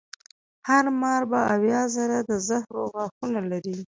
هر مار به اویا زره د زهرو غاښونه لري.